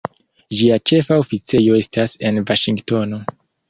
Ĝia ĉefa oficejo estas en Vaŝingtono.